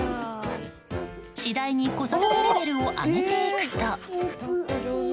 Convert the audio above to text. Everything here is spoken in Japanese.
次第に子育てレベルを上げていくと。